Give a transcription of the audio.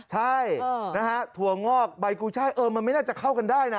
ใช่นะฮะถั่วงอกใบกุช่ายเออมันไม่น่าจะเข้ากันได้นะ